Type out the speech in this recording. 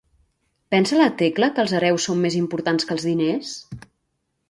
Pensa la Tecla que els hereus són més importants que els diners?